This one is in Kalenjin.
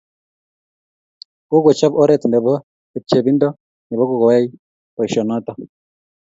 Kokochop oret nebo chepchepindo nebo kowany boisyonotok.